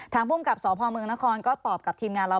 ภูมิกับสพเมืองนครก็ตอบกับทีมงานเรา